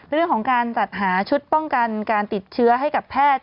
เรื่องของการจัดหาชุดป้องกันการติดเชื้อให้กับแพทย์